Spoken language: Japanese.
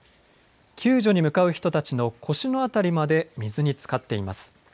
救助に向かう人たちの腰のあたりまで水につかっています。